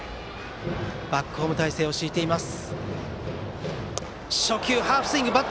バックホーム態勢を敷いています。